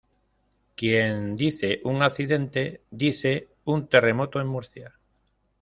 quien dice un accidente dice un terremoto en Murcia